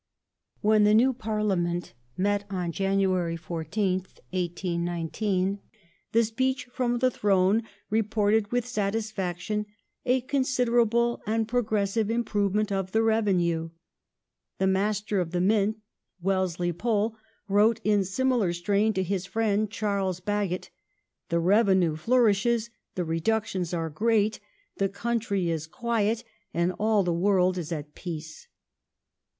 ^ Meeting When the new Parliament met on January 14th, 1819, PsahZ ^^^ speech from the Throne reported with satisfaction '* a con ment, siderable and progressive improvement of the revenue ". The ^^^^ Master of the Mint (Wellesley Pole) wrote in similar strain to his friend Charles Bagot : *'the revenue flourishes, the reductions are great, the country is quiet, and all the world is at peace